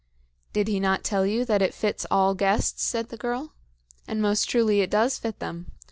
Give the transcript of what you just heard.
"Did he not tell you that it fits all guests?" said the girl; "and most truly it does fit them.